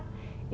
sebentar ya pak